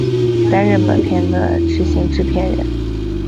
担任本片的执行制片人。